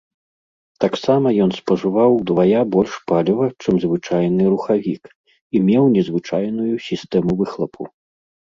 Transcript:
Таксама ён спажываў ўдвая больш паліва, чым звычайны рухавік, і меў незвычайную сістэму выхлапу.